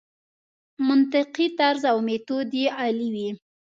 منطقي طرز او میتود یې عالي وي.